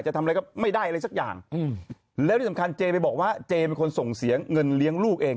จะทำอะไรก็ไม่ได้อะไรสักอย่างแล้วที่สำคัญเจไปบอกว่าเจเป็นคนส่งเสียเงินเลี้ยงลูกเอง